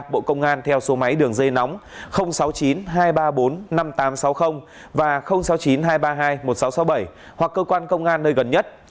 bộ công an theo số máy đường dây nóng sáu mươi chín hai trăm ba mươi bốn năm nghìn tám trăm sáu mươi và sáu mươi chín hai trăm ba mươi hai một nghìn sáu trăm sáu mươi bảy hoặc cơ quan công an nơi gần nhất